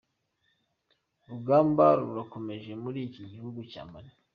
Urugamba rurakomeje muri iki gihugu cya Mali.